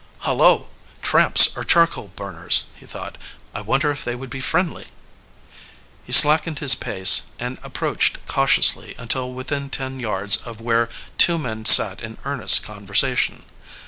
"Hullo! Tramps or charcoal burners," he thought. "I wonder if they would be friendly?" He slackened his pace and approached cautiously until within ten yards of where two men sat in earnest conversation.